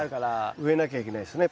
植えなきゃいけないですね。